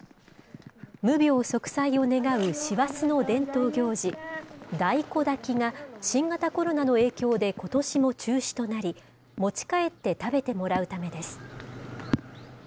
無病息災を願う師走の伝統行事、大根だきが、新型コロナの影響でことしも中止となり、持ち帰って食べてもらうためです。